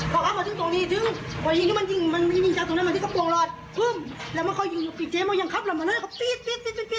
พี่จัดทำใบรอดนี่แพรีดเลยพี่จัดพี่มันน่าถนอก